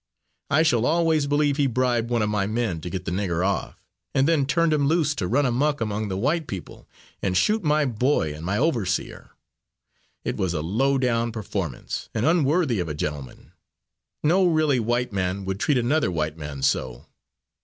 I shall always believe he bribed one of my men to get the nigger off, and then turned him loose to run amuck among the white people and shoot my boy and my overseer. It was a low down performance, and unworthy of a gentleman. No really white man would treat another white man so.